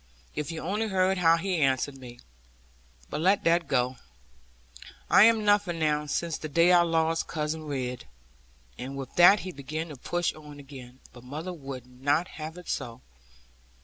If you only heard how he answered me. But let that go, I am nothing now, since the day I lost Cousin Ridd.' And with that he began to push on again; but mother would not have it so.